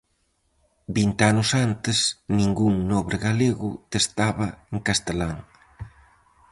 Vinte anos antes, ningún nobre galego testaba en castelán.